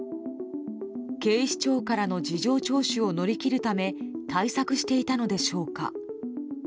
警視庁からの事情聴取を乗り切るため対策していたのでしょうか。